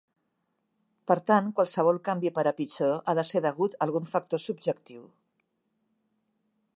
Per tant, qualsevol canvi per a pitjor ha de ser degut a algun factor subjectiu.